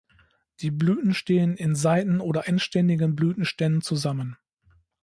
Die Blüten stehen in seiten- oder endständigen Blütenständen zusammen.